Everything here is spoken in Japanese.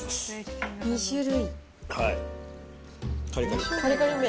２種類。